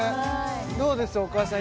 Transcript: どうでしょうお母さん